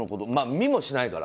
見もしないから。